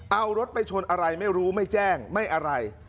เอารถไปชนอะไรไม่รู้ไม่แจ้งไม่อะไร